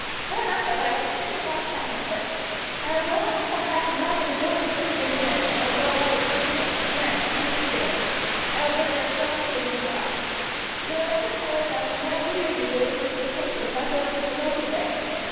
Run up, Abijah, and get the box down to her. I will go out and come back and knock at the door in two or three minutes, and will go up and see her, and, if necessary. I will give her a strong soothing draught. You had better tell her that from what you hear you believe Mr. Sankey is not going to the mill today.